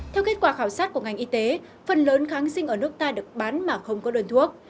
theo kết quả khảo sát của ngành y tế phần lớn kháng sinh ở nước ta được bán mà không có đơn thuốc